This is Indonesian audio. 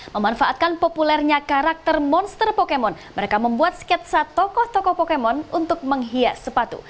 memanfaatkan populernya karakter monster pokemon mereka membuat sketsa tokoh tokoh pokemon untuk menghias sepatu